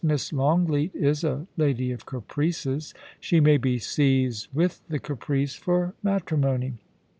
' Miss longleat is a lady of caprices. She may be seized with the caprice for matrimony.